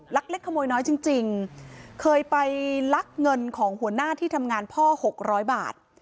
เล็กขโมยน้อยจริงเคยไปลักเงินของหัวหน้าที่ทำงานพ่อ๖๐๐บาท